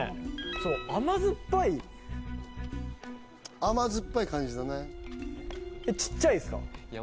その甘酸っぱい甘酸っぱい感じだねちっちゃいっすか？